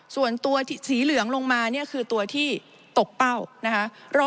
ส่วนตัวสีเหลืองลงมาเนี่ยคือตัวที่ตกเป้านะคะ